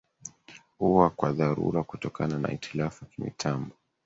ua kwa dharura kutokana na hitilafu ya kimitambo